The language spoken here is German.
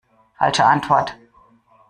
Falsche Antwort.